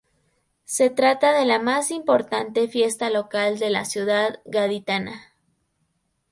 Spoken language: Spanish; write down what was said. Se trata de la más importante fiesta local de la ciudad gaditana.